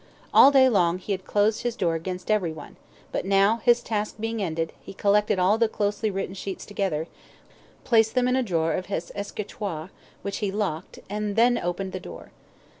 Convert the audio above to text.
All day long he had closed his door against everyone, but now his task being ended, he collected all the closely written sheets together, placed them in a drawer of his escritoire, which he locked, and then opened the door.